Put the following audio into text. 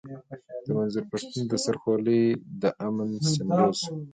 د منظور پښتين د سر خولۍ د امن سيمبول شوه.